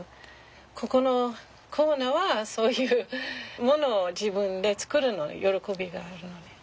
ここのコーナーはそういうものを自分で作るの喜びがあるのね。